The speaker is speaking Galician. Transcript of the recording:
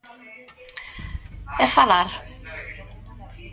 E falar.